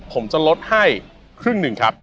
ผมจะลดให้ครึ่งหนึ่งครับ